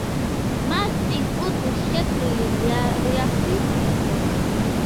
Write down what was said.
მას წინ უძღვის შეცვლილი რეაქციის სინდრომი.